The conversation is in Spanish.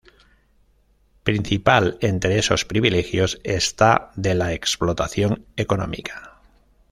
Principal entre esos privilegios esta de la explotación económica.